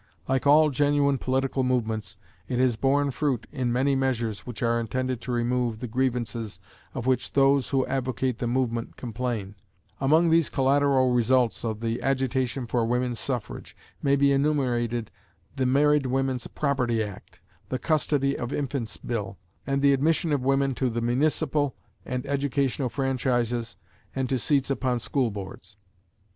Like all genuine political movements, it has borne fruit in many measures which are intended to remove the grievances of which those who advocate the movement complain: among these collateral results of the agitation for women's suffrage, may be enumerated the Married Women's Property Act, the Custody of Infants Bill, and the admission of women to the municipal and educational franchises and to seats upon school boards.